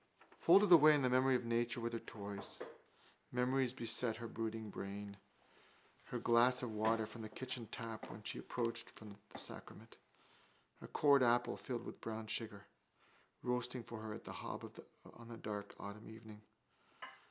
Folded away in the memory of nature with her toys. Memories beset his brooding brain. Her glass of water from the kitchen tap when she had approached the sacrament. A cored apple, filled with brown sugar, roasting for her at the hob on a dark autumn evening.